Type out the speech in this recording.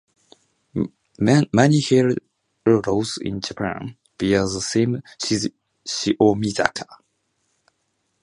Many hill roads in Japan bear the name "Shiomizaka".